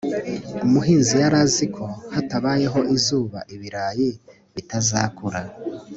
umuhinzi yari azi ko hatabayeho izuba ibirayi bitazakura